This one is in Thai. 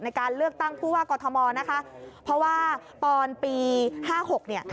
ในการเลือกตั้งผู้ว่ากอทมนะคะเพราะว่าตอนปี๕๖เนี่ย